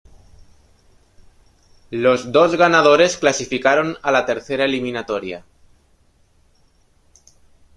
Los dos ganadores clasificaron a la tercera eliminatoria.